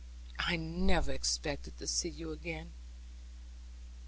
'I never expected to see you again.